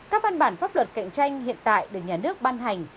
các văn bản pháp luật cạnh tranh hiện tại được nhà nước ban hành